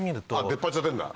出っ張っちゃってんだ。